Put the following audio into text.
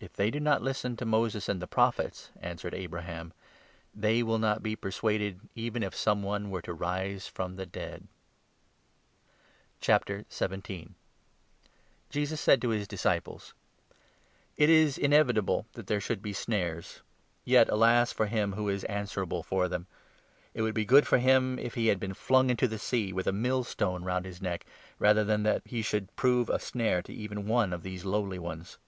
' If they do not listen to Moses and the Prophets,' answered 31 Abraham, ' they will not be persuaded, even if some one were to rise from the dead.' " A inst Jesus said to his disciples : i hindering "It is inevitable that there should be snares; others. ve£ alas for him who is answerable for them ! It 2 would be good for .him if he had been flung into the sea with a mill stone round his neck, rather than that he should prove a snare to even one of these lowly ones.